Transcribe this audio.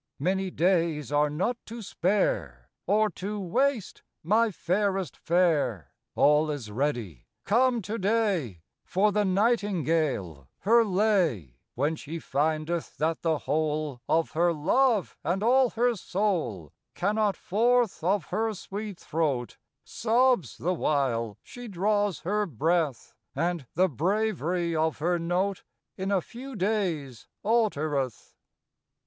Many days are not to spare, Or to waste, my fairest fair! All is ready. Come to day, For the nightingale her lay, When she findeth that the whole Of her love, and all her soul, Cannot forth of her sweet throat, Sobs the while she draws her breath, And the bravery of her note In a few days altereth.